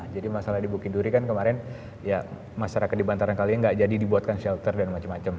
jadi masalah di bukit duri kan kemarin ya masyarakat di bantaran kali ini nggak jadi dibuatkan shelter dan macam macam